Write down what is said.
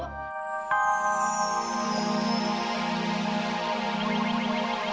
kita bisa temui lagi